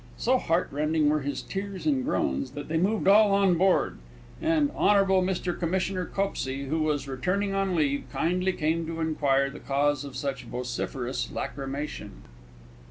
So heartrending were his tears and groans that they moved all on board, and Honble Mr Commissioner Copsey, who was returning on leave, kindly came to inquire the cause of such vociferous lachrymation.